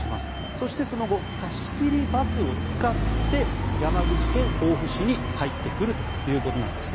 そして、その後貸し切りバスを使って山口県防府市に入ってくるということです。